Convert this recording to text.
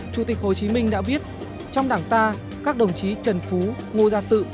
chủ tịch hồ chí minh đã viết trong đảng ta các đồng chí trần phú ngô gia tự